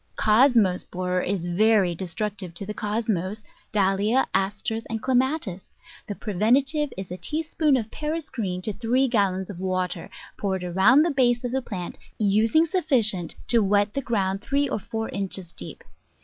Cosmos Borer is very destructive to the Cosmos, Dahlia, Asters, and Clematis; the preventive is a tea spoonful of Paris green to three gallons of water, poured around the base of the plant, using sufficient to wet the ground three or four inches deep.